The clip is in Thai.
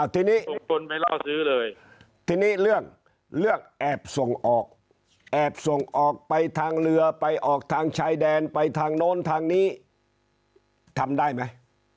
ทีนี้เรื่องเรื่องแอบส่งออกแอบส่งออกไปทางเรือไปออกทางชายแดนไปทางโน้นทางนี้ทำได้ไหม